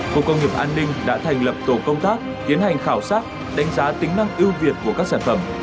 khu công nghiệp an ninh đã thành lập tổ công tác tiến hành khảo sát đánh giá tính năng ưu việt của các sản phẩm